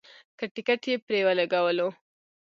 که ټکټ یې پرې ولګولو.